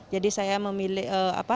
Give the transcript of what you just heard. jadi saya memilih